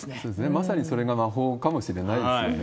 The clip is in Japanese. まさにそれが魔法かもしれないですよね。